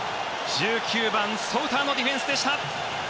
１９番、ソウターのディフェンスでした。